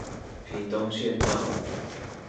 屏東縣道